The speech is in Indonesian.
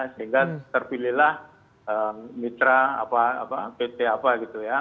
sehingga terpilihlah mitra pt apa gitu ya